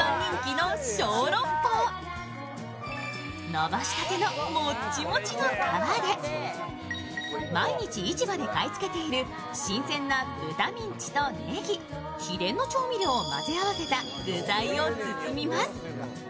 伸ばしたてのもっちもちの皮で毎日市場で買い付けている新鮮な豚ミンチとネギ秘伝の調味料を混ぜ合わせた具材を包みます。